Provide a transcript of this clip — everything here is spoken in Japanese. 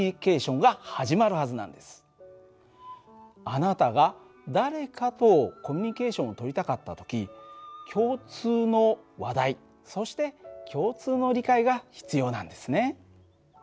あなたが誰かとコミュニケーションを取りたかった時共通の話題そして共通の理解が必要なんですね。